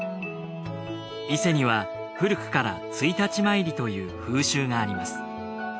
伊勢には古くから朔日参りという風習があります。